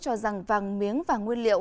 cho rằng vàng miếng vàng nguyên liệu